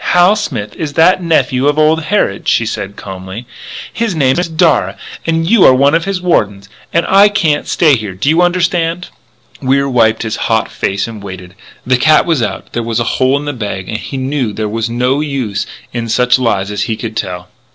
"Hal Smith is that nephew of old Harrod," she said calmly. "His name is Darragh. And you are one of his wardens.... And I can't stay here. Do you understand?" Wier wiped his hot face and waited. The cat was out; there was a hole in the bag; and he knew there was no use in such lies as he could tell.